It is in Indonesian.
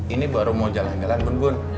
ini baru mau jalan jalan bun bun